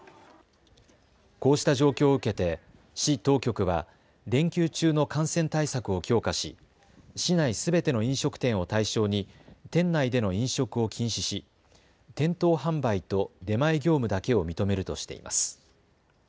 こうした状況を受けて市当局は連休中の感染対策を強化し市内すべての飲食店を対象に店内での飲食を禁止し店頭販売と出前業務だけを認めるとしています。